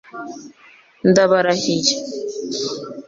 ndabarahiye